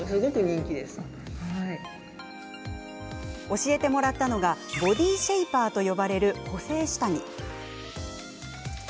教えてもらったのがボディシェイパーと呼ばれる補整下着。